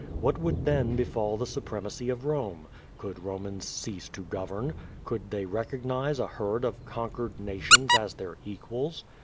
What would then befall the su premacy of Rome? Could Romans cease to govern? Could they recognize a herd of conquered nations as their equals?